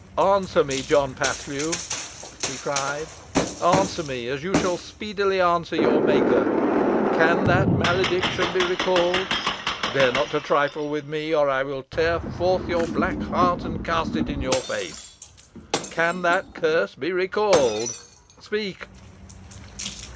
"Answer me, John Paslew!" he cried; "answer me, as you shall speedily answer your Maker. Can that malediction be recalled? Dare not to trifle with me, or I will tear forth your black heart, and cast it in your face. Can that curse be recalled? Speak!"